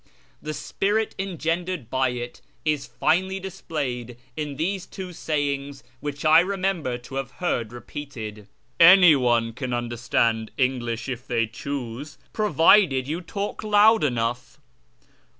The s])iril engendered by it is finely di.si)layed in Miese two sayinj^s wliicli I roinenihor to have heard repeated —" Anyone can understand English if they choose, ])n)vided you talk loud enough."